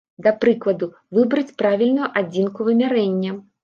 Да прыкладу, выбраць правільную адзінку вымярэння.